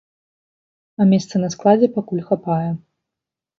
А месца на складзе пакуль хапае.